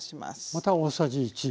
また大さじ１。